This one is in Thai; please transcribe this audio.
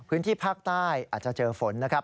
พื้นที่ภาคใต้อาจจะเจอฝนนะครับ